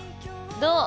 どう？